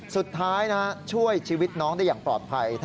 สุดท้ายช่วยชีวิตน้องได้อย่างปลอดภัย